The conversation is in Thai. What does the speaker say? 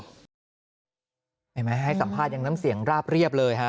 เห็นไหมให้สัมภาษณ์ยังน้ำเสียงราบเรียบเลยฮะ